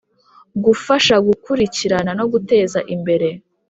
Gufasha gukurikirana no guteza imbere